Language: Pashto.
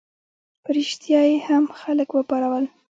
په ریشتیا یې هم خلک وپارول.